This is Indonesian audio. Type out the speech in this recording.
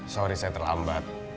sorry saya terlambat